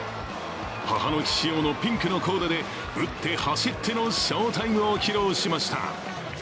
母の日仕様のピンクのコーデで打って走っての翔タイムを披露しました。